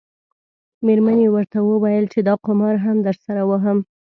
میرمنې یې ورته وویل چې دا قمار هم درسره وهم.